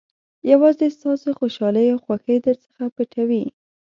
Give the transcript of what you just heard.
یوازې ستاسو خوشالۍ او خوښۍ درڅخه پټوي.